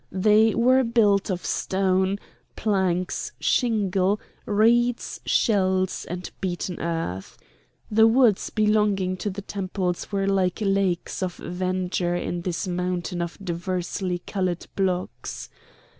They were built of stone, planks, shingle, reeds, shells, and beaten earth. The woods belonging to the temples were like lakes of verdure in this mountain of diversely coloured blocks.